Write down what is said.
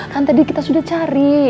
kan tadi kita sudah cari